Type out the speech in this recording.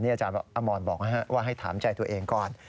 อาจารย์อมรบอกว่าให้ถามใจตัวเองก่อน